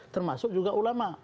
termasuk juga ulama